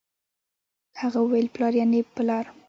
هغه وويل پلار يعنې په لار